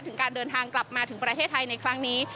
ถึงการเดินทางกลับมาถึงประเทศไทยในครั้งนี้